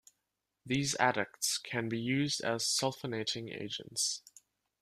These adducts can be used as sulfonating agents.